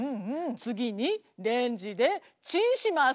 次にレンジでチンします。